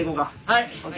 はい！